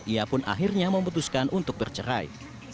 ia pun akhirnya memutuskan untuk bercerai